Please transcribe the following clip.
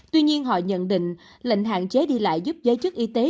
tuy nhiên họ nhận định lệnh hạn chế đi lại giúp giới chức y tế